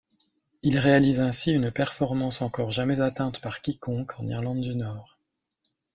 Il réalise ainsi une performance encore jamais atteinte par quiconque en Irlande du Nord.